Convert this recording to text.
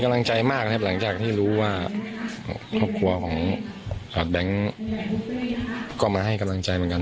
ความห่วงใจที่แบงพ์ที่รู้ว่า